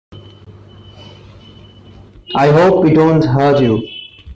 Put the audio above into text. I hope it won't hurt you.